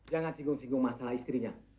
jangan singgung singgung masalah istrinya